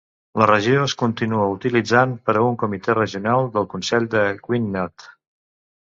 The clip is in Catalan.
La regió es continua utilitzant per a un comitè regional del consell de Gwynedd.